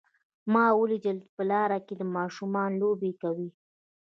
ما ولیدل چې په لاره کې ماشومان لوبې کوي